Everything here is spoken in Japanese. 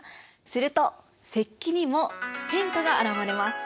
すると石器にも変化が表れます。